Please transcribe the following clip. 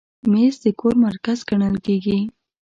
مېز د کور مرکز ګڼل کېږي.